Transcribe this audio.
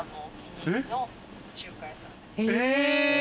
え！